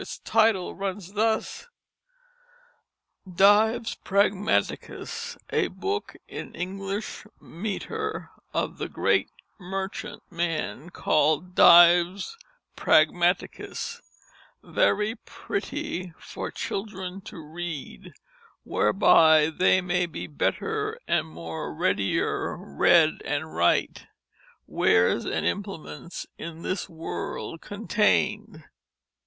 Its title runs thus: "Dyves Pragmaticus. A booke in English metre of the great marchuant man called Dyves Pragmaticus, very pretye for chyldren to rede, whereby they may be the better and more readyer rede and wryte Wares and Implements in this World contayned....